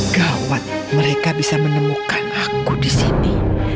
gawat mereka bisa menemukan aku disini